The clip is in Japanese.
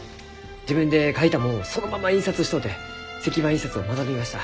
自分で描いたもんをそのまま印刷しとうて石版印刷を学びました。